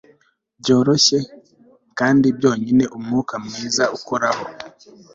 Byoroshye kandi byonyine umwuka mwiza ukoraho